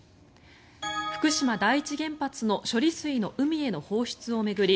福島第一原発の処理水の海への放出を巡り